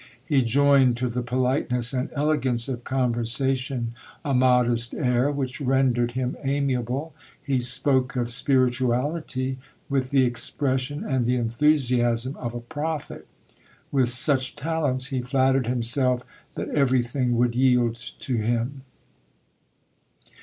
He joined to the politeness and elegance of conversation a modest air, which rendered him amiable. He spoke of spirituality with the expression and the enthusiasm of a prophet; with such talents he flattered himself that everything would yield to him.